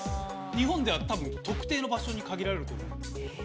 日本では多分特定の場所に限られると思うんですけど。